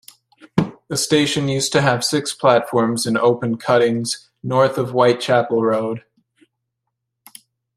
The station used to have six platforms in open cuttings north of Whitechapel Road.